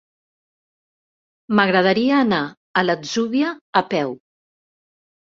M'agradaria anar a l'Atzúbia a peu.